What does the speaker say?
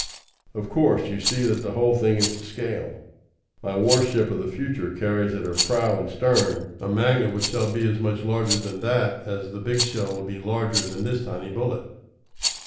"Of course, you see that the whole thing is to scale. My warship of the future carries at her prow and stern a magnet which shall be as much larger than that as the big shell will be larger than this tiny bullet.